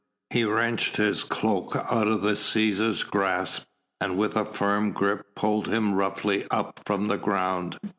He wrenched his cloak out of the Cæsar's grasp and with a firm grip pulled him roughly up from the ground.